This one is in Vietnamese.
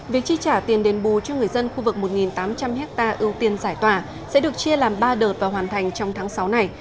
việc chi trả tiền đền bù cho người dân khu vực một tám trăm linh ha ưu tiên giải tỏa sẽ được chia làm ba đợt và hoàn thành trong tháng sáu này